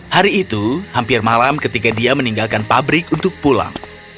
hari itu hampir malam ketika dia meninggalkan pabrik untuk pulang